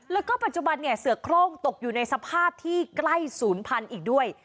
แล้วก็ปัจจุบันเนี่ยเสือโครงตกอยู่ในสภาพที่ใกล้ศูนย์พันธุ์อีกด้วย